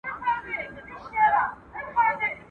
o چي رنگ دي دئ د غله، ناسته دي پر څه؟